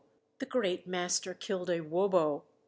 The great master killed a wobo!"